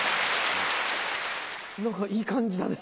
何かいい感じだね。